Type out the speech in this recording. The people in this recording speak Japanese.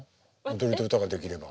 踊りと歌ができれば。